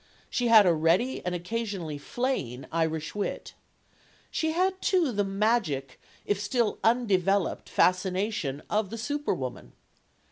She had a ready, and occasionally flaying, Irish wit. She had, too, the magic, if still undeveloped, fascination of the super woman.